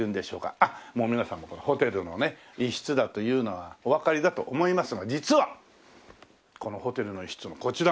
あっもう皆さんもこのホテルのね一室だというのはおわかりだと思いますが実はこのホテルの一室のこちら側